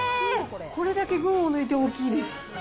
これだけ群を抜いて大きいです。